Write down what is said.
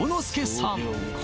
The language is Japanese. さん